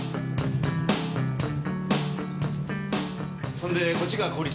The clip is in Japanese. そんでこっちが公立。